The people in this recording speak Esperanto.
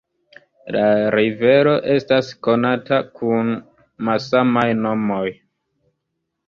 La rivero estas konata kun malsamaj nomoj.